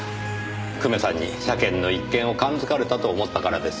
久米さんに車券の一件を感づかれたと思ったからです。